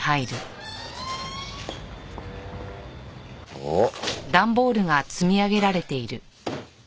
おっ。